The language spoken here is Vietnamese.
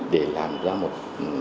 để làm ra một